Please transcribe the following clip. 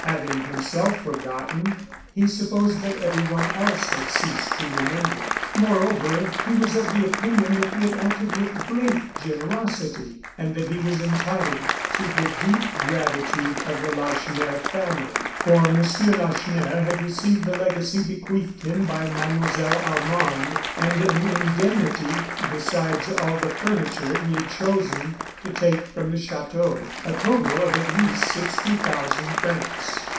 Having himself forgotten, he supposed that everyone else had ceased to remember. Moreover, he was of the opinion that he had acted with great generosity, and that he was entitled to the deep gratitude of the Lacheneur family; for M. Lacheneur had received the legacy bequeathed him by Mlle. Armande, and an indemnity, besides all the furniture he had chosen to take from the chateau, a total of at least sixty thousand francs.